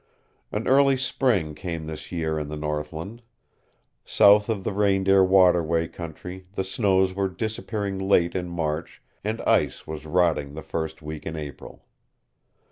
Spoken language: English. An early spring came this year in the northland. South of the Reindeer waterway country the snows were disappearing late in March and ice was rotting the first week in April.